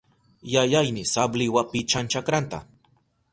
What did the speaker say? Yayayni sabliwa pichan chakranta.